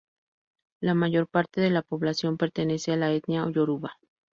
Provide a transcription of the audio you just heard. La mayor parte de la población pertenece a la etnia Yoruba.